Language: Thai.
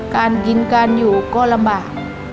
การกินการอยู่ก็ลำบาก